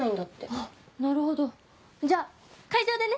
あっなるほどじゃあ会場でね！